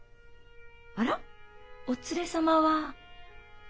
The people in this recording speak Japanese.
あら？お連れ様は？